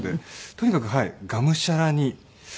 とにかくがむしゃらに。